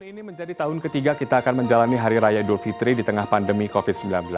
hari ini menjadi tahun ketiga kita akan menjalani hari raya idul fitri di tengah pandemi covid sembilan belas